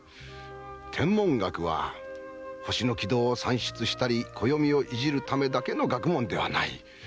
天文学は星の軌道を算出したり暦をいじるためだけの学問ではない。